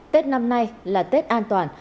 tết năm nay là tết an toàn